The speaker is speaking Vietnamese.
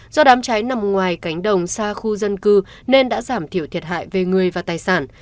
do đám cháy nằm ngoài cánh đồng xa khu dân cư nên đã giảm thiểu thiệt hại về người và tài sản